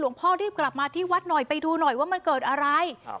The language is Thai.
พ่อรีบกลับมาที่วัดหน่อยไปดูหน่อยว่ามันเกิดอะไรครับ